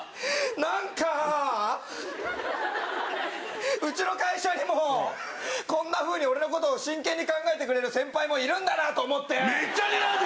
なんかうちの会社にもこんなふうに俺のことを真剣に考えてくれる先輩もいるんだなと思って。